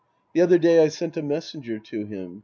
The other day I sent a messenger to him.